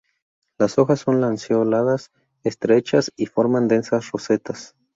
Las hojas son lanceoladas estrechas y forman densas rosetas.